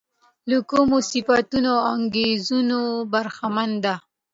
له کومو صفتونو او انګېرنو برخمنه ده.